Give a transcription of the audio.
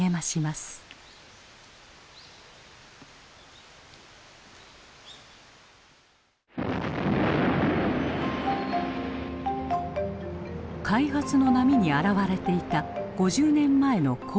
開発の波に洗われていた５０年前の神戸。